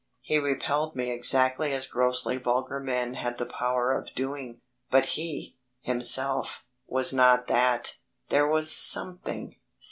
He repelled me exactly as grossly vulgar men had the power of doing, but he, himself, was not that there was something